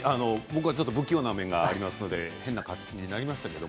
僕は不器用な面があるので変な感じになりましたけど。